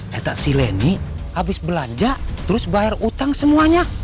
ketak si leni habis belanja terus bayar utang semuanya